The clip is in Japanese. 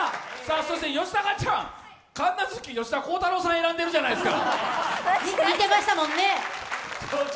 そして吉高ちゃん神奈月、吉田鋼太郎さん選んでるじゃないですか。